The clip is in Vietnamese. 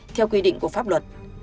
theo quy định của pháp luật